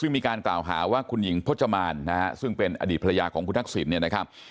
มีการกล่าวหาว่าคุณหญิงพจมานซึ่งเป็นอดีตภรรยาของคุณทักษิณนะครับ